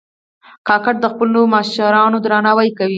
کاکړ د خپلو مشرانو درناوی کوي.